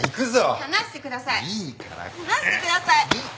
離してください！